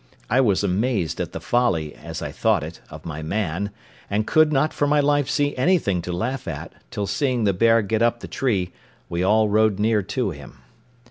I was amazed at the folly, as I thought it, of my man, and could not for my life see anything to laugh at, till seeing the bear get up the tree, we all rode near to him.